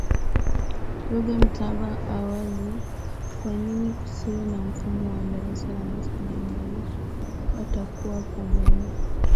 Ruge Mtahaba awaze kwanini kusiwe na mfumo wa darasa la wasanii ambalo watakuwa pamoja